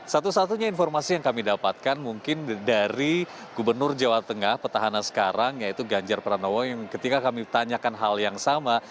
satu satunya informasi yang kami dapatkan mungkin dari gubernur jawa tengah petahana sekarang yaitu ganjar pranowo yang ketika kami tanyakan hal yang sama